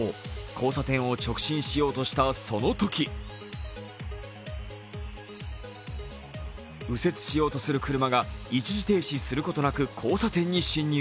交差点を直進しようとした、そのとき右折しようとする車が一時停止することなく交差点に進入。